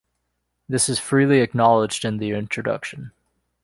This is freely acknowledged in the introduction.